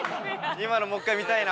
今のもう１回見たいな。